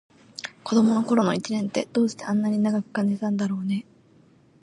子どもの頃の一年って、どうしてあんなに長く感じたんだろうね。